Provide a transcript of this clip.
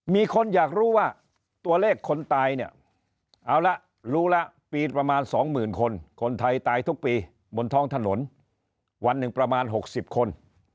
มีคนอยากรู้ว่าตัวเลขคนตายเนี่ยเอาละรู้แล้วปีประมาณ๒๐๐๐คนคนไทยตายทุกปีบนท้องถนนวันหนึ่งประมาณ๖๐คน